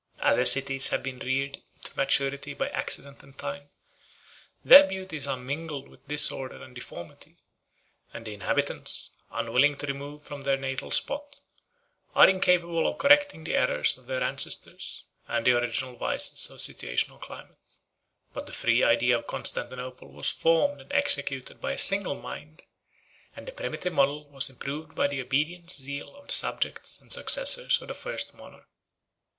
Other cities have been reared to maturity by accident and time: their beauties are mingled with disorder and deformity; and the inhabitants, unwilling to remove from their natal spot, are incapable of correcting the errors of their ancestors, and the original vices of situation or climate. But the free idea of Constantinople was formed and executed by a single mind; and the primitive model was improved by the obedient zeal of the subjects and successors of the first monarch.